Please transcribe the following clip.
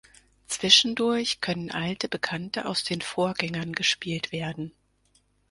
Zwischendurch können alte Bekannte aus den Vorgängern gespielt werden.